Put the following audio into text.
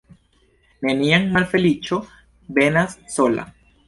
Neniam malfeliĉo venas sola.